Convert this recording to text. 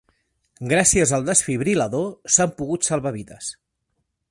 Gràcies al desfibril·lador s'han pogut salvar vides.